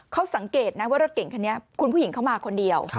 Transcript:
เขาสังเกตนะว่ารถเก่งคันนี้คุณผู้หญิงเข้ามาคนเดียว